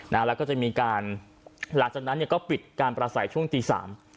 แล้วก็จะมีการหลังจากนั้นก็ปิดการปลาใสช่วงตีสาม